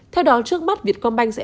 theo đó trước mắt việt com banh sẽ